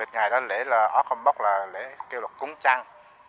ngày đó lễ là ốc âm bốc là lễ kêu là cúng trăng